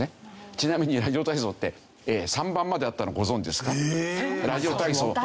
ちなみにラジオ体操って３番まであったのご存じですか？